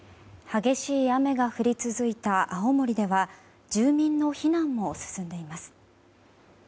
激しい雨が降り続いた青森では住民の避難も続いています。